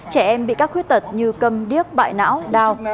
trẻ em bị các khuyết tật như câm điếc bại não đau